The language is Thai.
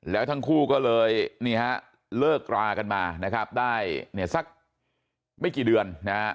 แล้วทั้งคู่ก็เลยเลิกกรากันมาได้สักไม่กี่เดือน